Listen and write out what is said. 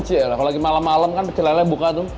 kalau lagi malam malam kan pecelele buka tuh